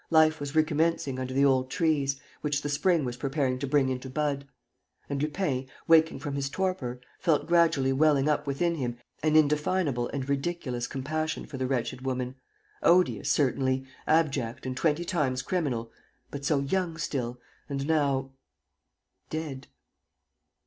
Life was recommencing under the old trees, which the spring was preparing to bring into bud. And Lupin, waking from his torpor, felt gradually welling up within him an indefinable and ridiculous compassion for the wretched woman, odious, certainly, abject and twenty times criminal, but so young still and now ... dead.